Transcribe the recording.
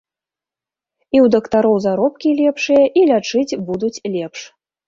І ў дактароў заробкі лепшыя, і лячыць будуць лепш.